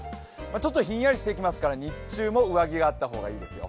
ちょっとひんやりしてきますから日中も上着があった方がいいですよ。